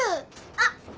あっ！